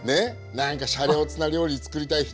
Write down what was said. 何かシャレオツな料理つくりたい人。